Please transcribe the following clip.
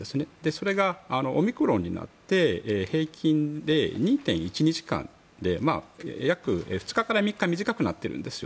それがオミクロンになって平均で２．１日間で約２日から３日短くなっているんです。